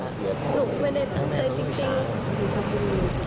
หนูไม่ได้ตั้งใจจริง